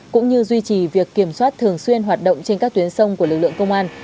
cũng như duy trì việc kiểm soát thường xuyên hoạt động trên các tuyến sông của lực lượng công an